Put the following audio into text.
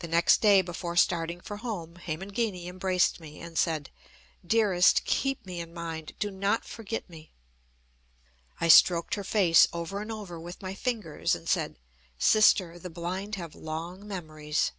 The next day before starting for home Hemangini embraced me, and said: "Dearest, keep me in mind; do not forget me." I stroked her face over and over with my fingers, and said: "Sister, the blind have long memories."